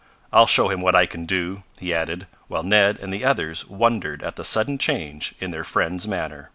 I'll show him what I can do!" he added, while Ned and the others wondered at the sudden change in their friend's manner.